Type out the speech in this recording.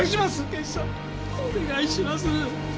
刑事さん！お願いします！